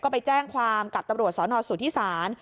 ไปแจ้งความกับตำรวจสนสุธิศาล